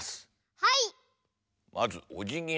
はい。